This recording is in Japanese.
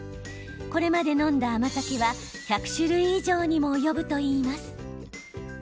これまで飲んだ甘酒は１００種類以上にも及ぶといいます。